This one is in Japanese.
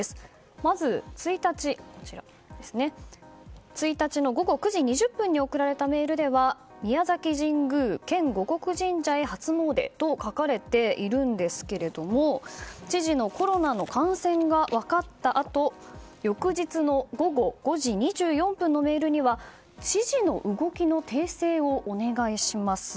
まず、１日の午後９時２０分に送られたメールでは宮崎神宮、県護国神社へ初詣と書かれているんですけども知事のコロナの感染が分かったあと翌日の午後５時２４分のメールには知事の動きの訂正をお願いします。